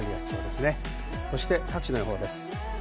そして各地の予報です。